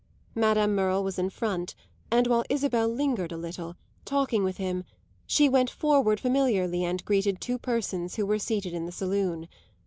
Madame Merle was in front, and while Isabel lingered a little, talking with him, she went forward familiarly and greeted two persons who were seated in the saloon.